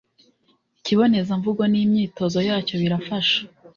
ikibonezamvugo n’imyitozo yacyo birafasha